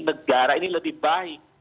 negara ini lebih baik